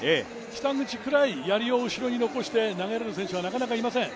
北口くらいやりを後ろに残して投げれる選手はなかなかいません。